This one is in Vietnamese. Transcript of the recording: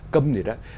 cầm gì đó